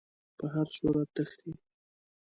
په هر صورت تښتي.